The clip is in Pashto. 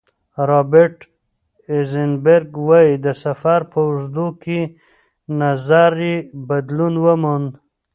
رابرټ ایزنبرګ وايي، د سفر په اوږدو کې نظر یې بدلون وموند.